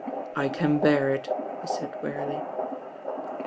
I can bear it," he said earily.